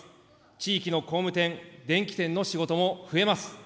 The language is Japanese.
地域の工務店、電気店の仕事も増えます。